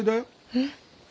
えっ？